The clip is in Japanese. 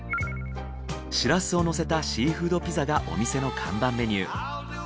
シラスをのせたシーフードピザがお店の看板メニュー。